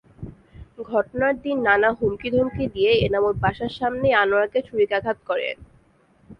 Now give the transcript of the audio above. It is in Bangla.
ঘটনার দিন নানা হুমকি-ধমকি দিয়ে এনামুল বাসার সামনেই আনোয়ারকে ছুরিকাঘাত করেন।